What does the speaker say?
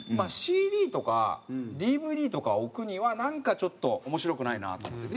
ＣＤとかＤＶＤとかを置くにはなんかちょっと面白くないなと思って。